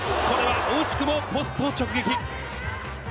これは惜しくもポスト直撃。